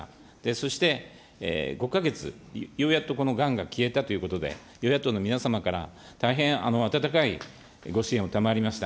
そして５か月、ようやっとこのがんが消えたということで、与野党の皆様から大変温かいご支援を賜りました。